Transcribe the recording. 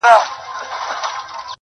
زما ښه ملګري او دوستان پکښي سته